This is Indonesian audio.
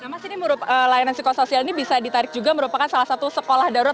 tapi menurut layanan psikosoial ini bisa ditarik juga merupakan salah satu sekolah darurat